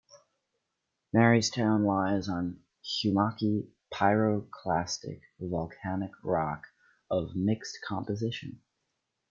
Marystown lies on hummocky pyroclastic volcanic rock of mixed composition.